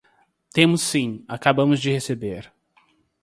Temos sim, acabamos de receber.